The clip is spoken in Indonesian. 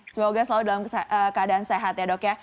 semoga selalu dalam keadaan sehat ya dok ya